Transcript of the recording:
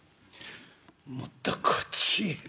「もっとこっちへ」。